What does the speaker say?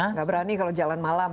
nggak berani kalau jalan malam